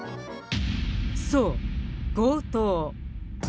そう、強盗。